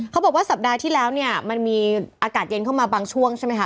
เขาบอกว่าสัปดาห์ที่แล้วเนี่ยมันมีอากาศเย็นเข้ามาบางช่วงใช่ไหมคะ